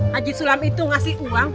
haji sulam itu ngasih uang